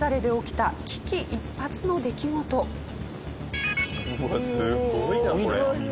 そのうわっすごいなこれ。